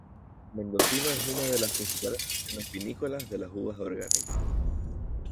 Mendocino es una de las principales regiones vinícolas de las uvas orgánicas.